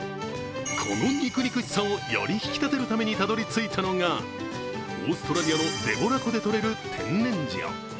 この肉肉しさをより引き立てるためにたどり着いたのがオーストラリアのデボラ湖でとれる天然塩。